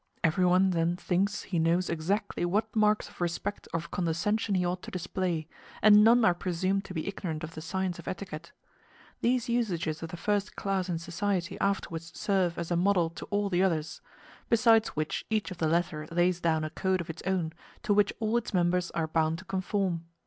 Everyone then thinks he knows exactly what marks of respect or of condescension he ought to display, and none are presumed to be ignorant of the science of etiquette. These usages of the first class in society afterwards serve as a model to all the others; besides which each of the latter lays down a code of its own, to which all its members are bound to conform.